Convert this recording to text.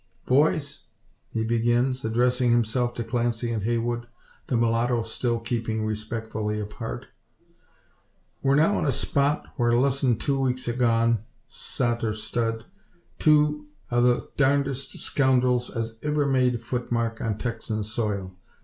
"Boys!" he begins, addressing himself to Clancy and Heywood, the mulatto still keeping respectfully apart. "We're now on a spot, whar less'n two weeks agone, sot or stud, two o' the darndest scoundrels as iver made futmark on Texan soil.